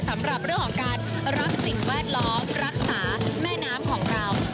สำหรับเรื่องของการรักสิ่งแวดล้อมรักษาแม่น้ำของเรา